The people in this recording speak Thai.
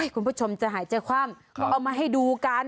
คุณผู้ชมจะหายใจคว่ำก็เอามาให้ดูกัน